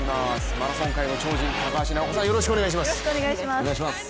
マラソン界の超人、高橋尚子さん、よろしくお願いします。